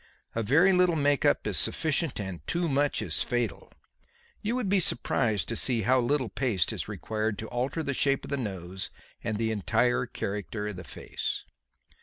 A very little make up is sufficient and too much is fatal. You would be surprised to see how little paste is required to alter the shape of the nose and the entire character of the face."